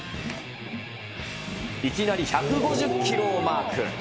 いきなり１５０キロをマーク。